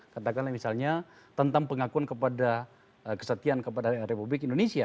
katakanlah misalnya tentang pengakuan kepada kesetiaan kepada republik indonesia